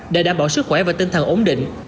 để đảm bảo sức khỏe và tinh thần ổn định